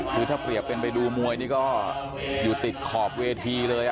คือถ้าเปรียบเป็นไปดูมวยนี่ก็อยู่ติดขอบเวทีเลย